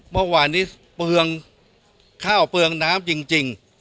เมื่อวานนี้เปลืองข้าวเปลืองน้ำจริง